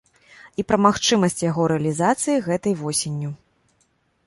І пра магчымасць яго рэалізацыі гэтай восенню.